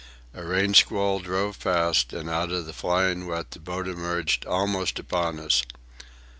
A rain squall drove past, and out of the flying wet the boat emerged, almost upon us.